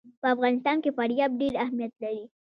په افغانستان کې فاریاب ډېر اهمیت لري.